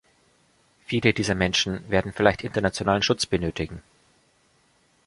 Viele dieser Menschen werden vielleicht internationalen Schutz benötigen.